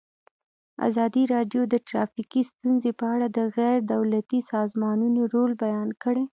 ازادي راډیو د ټرافیکي ستونزې په اړه د غیر دولتي سازمانونو رول بیان کړی.